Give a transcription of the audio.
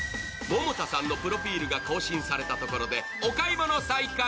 百田さんのプロフィールが更新されたところでお買い物再開。